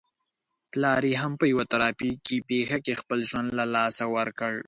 پلار يې هم په يوه ترافيکي پېښه کې خپل ژوند له لاسه ور کړ.